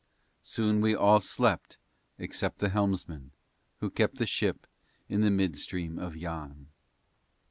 Soon we all slept except the helmsman, who kept the ship in the midstream of Yann.